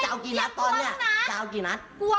จะเอากี่นัดตอนเนี่ยเอากี่นัด